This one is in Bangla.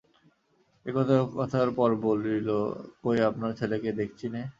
একথা ওকথার পর বলিল, কই আপনার ছেলেকে দেখচি নে?